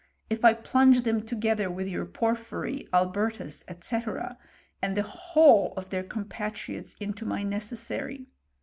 If I plunge them together with your Por ^ phyry, Albertus, &c., and the whole of their com * patriots into my necessary